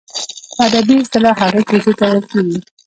په ادبي اصطلاح هغې کیسې ته ویل کیږي.